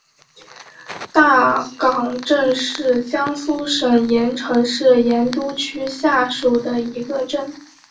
大冈镇是江苏省盐城市盐都区下属的一个镇。